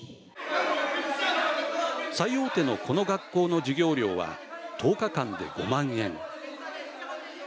最大手のこの学校の授業料は１０日間で５万円。